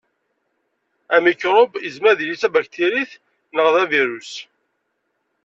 Amikṛub yezmer ad yili d tabaktirit neɣ d avirus.